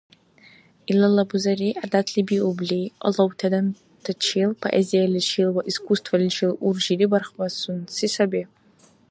Илала бузери, гӀядатли биубли, алавти адамтачил, поэзияличил ва искусстволичил уржили бархбасунси саби.